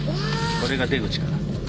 これが出口かな？